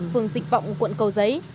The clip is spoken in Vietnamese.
phường dịch vọng quận cầu giấy